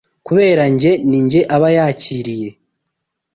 kubera jye ni jye aba yakiriye,